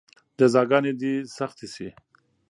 جزاګانې دې سختې شي.